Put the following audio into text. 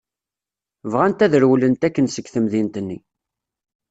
Bɣant ad rewlent akken seg temdint-nni.